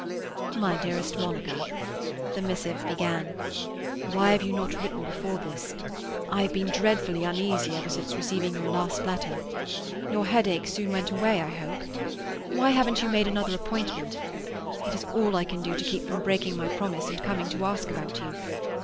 "MY DEAREST MONICA,"—the missive began—"Why have you not written before this? I have been dreadfully uneasy ever since receiving your last letter. Your headache soon went away, I hope? Why haven't you made another appointment? It is all I can do to keep from breaking my promise and coming to ask about you.